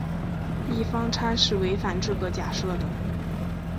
异方差是违反这个假设的。